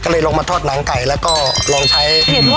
ก็เลยมาทอดนางไก่แล้วก็ลองใช้